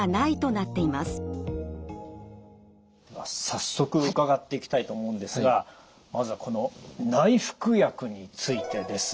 早速伺っていきたいと思うんですがまずはこの内服薬についてです。